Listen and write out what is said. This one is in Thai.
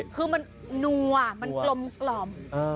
คือมันนัวมันกลม